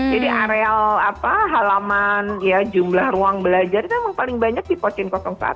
jadi areal halaman jumlah ruang belajar itu memang paling banyak di pocin satu